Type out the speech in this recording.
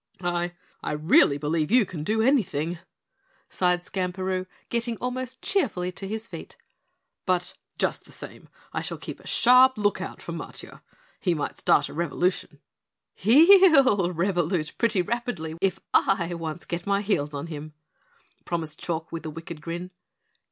"I I really believe you can do anything," sighed Skamperoo, getting almost cheerfully to his feet. "But just the same, I shall keep a sharp outlook for Matiah. He might start a revolution." "He'll revolute pretty rapidly if I once get my heels on him," promised Chalk with a wicked grin.